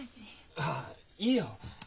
ああいいよ。